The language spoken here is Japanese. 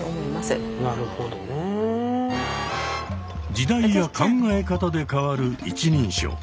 時代や考え方で変わる一人称。